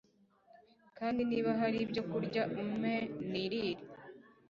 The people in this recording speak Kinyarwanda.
kandi niba hari ibyo kurya, umpe nirire